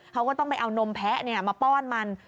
เขาก็ต้องไปเอานมแพะมาป้อนมัน